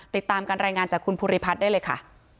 ติดตามการรายงานจากคุณภูริพัฒน์ได้เลยค่ะ